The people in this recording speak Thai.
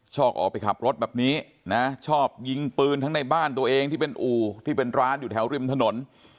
ชอบออกไปขับรถแบบนี้นะชอบยิงปืนทั้งในบ้านตัวเองที่เป็นอู่ที่เป็นร้านอยู่แถวริมถนน